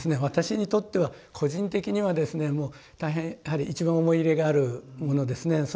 私にとっては個人的にはですねもう大変やはり一番思い入れがあるものですね。